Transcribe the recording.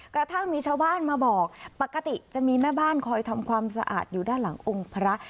กระทั่งมีชาวบ้านมาบอกปกติจะมีแม่บ้านคอยทำความสะอาดอยู่ด้านหลังองค์พระ